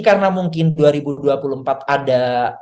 karena mungkin dua ribu dua puluh empat ada